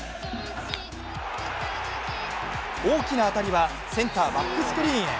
大きな当たりはセンターバックスクリーンへ。